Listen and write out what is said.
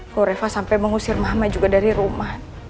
gue reva sampai mengusir mama juga dari rumah